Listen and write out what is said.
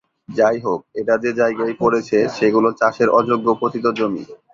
যাই হোক, এটা যে জায়গায় পড়েছে সেগুলো চাষের অযোগ্য পতিত জমি।